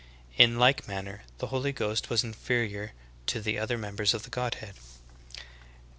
In like manner the Holy Ghost was inferior to the other members of the Godhead. 16.